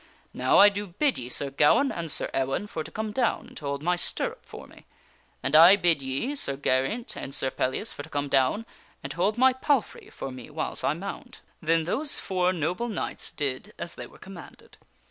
Now I do bid ye, Sir Gawaine and Sir E \vaine, for to come down and to hold my stirrup for me; and I bid ye, Sir Geraint and Sir Pellias, for to come down and to hold my palfrey for me whiles I mount." Then those four noble knights did as they were commanded.